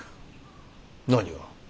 何が。